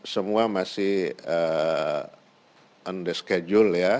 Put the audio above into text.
semua masih under schedule ya